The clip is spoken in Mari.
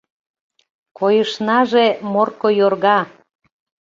Койышнаже Морко йорга.